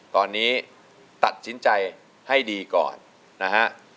ตอนนี้ตัดสินใจให้ดีก่อนนะฮะ